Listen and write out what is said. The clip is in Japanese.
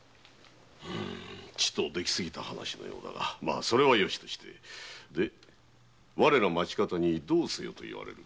ちとできすぎた話のようだがまそれはよいとして我ら町方にどうせよと言われるのか？